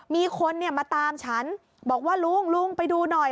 มีคนมาตามฉันบอกว่าลุงลุงไปดูหน่อย